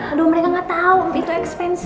aduh mereka gak tau itu ekspensif